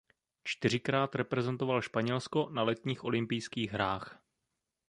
Čtyřikrát reprezentoval Španělsko na letních olympijských hrách.